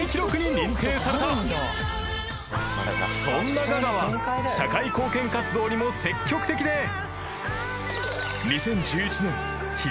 ［そんなガガは社会貢献活動にも積極的で］